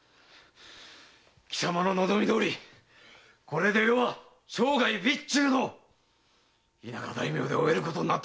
貴様の望みどおりこれで余は生涯を備中の田舎大名で終えることになったぞ！